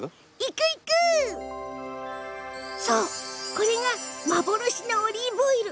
これが幻のオリーブオイル。